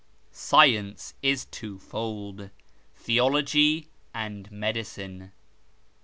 " Science is twofold : Theology, and Medicine."